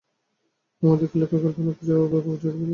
আমাদিগকে লোকে কল্পনাপ্রিয় ভাবুক জাতি বলিয়া উপহাস করিয়া থাকে।